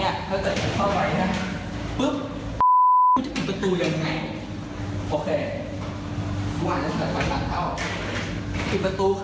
อย่างนี้